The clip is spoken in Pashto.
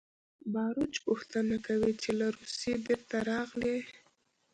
باروچ پوښتنه کوي چې له روسیې بېرته راغلې